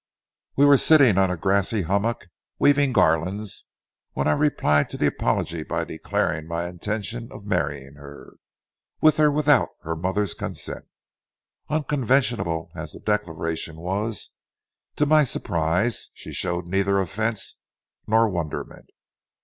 We were sitting on a grassy hummock, weaving garlands, when I replied to the apology by declaring my intention of marrying her, with or without her mother's consent. Unconventional as the declaration was, to my surprise she showed neither offense nor wonderment.